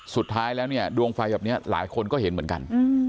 สุดท้ายแล้วเนี่ยดวงไฟแบบนี้หลายคนก็เห็นเหมือนกัน